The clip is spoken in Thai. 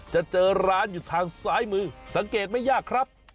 จะเจอร้านอยู่ทางซ้ายมือสังเกตไม่ยากครับ